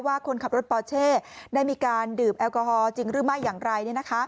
คนขับรถปอเช่ได้มีการดื่มแอลกอฮอลจริงหรือไม่อย่างไร